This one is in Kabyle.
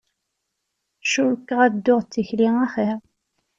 Cukkeɣ ad dduɣ d tikli axir.